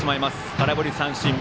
空振り三振。